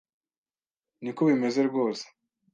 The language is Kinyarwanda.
Ni ko bimeze rwose,